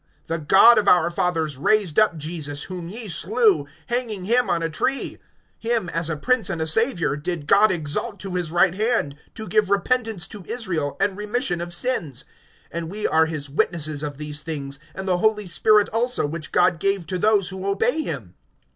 (30)The God of our fathers raised up Jesus, whom ye slew, hanging him on a tree. (31)Him, as a prince and a Savior, did God exalt to his right hand, to give repentance to Israel, and remission of sins. (32)And we are his witnesses of these things, and the Holy Spirit also, which God gave to those who obey him.